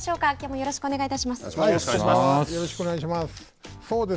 よろしくお願いします。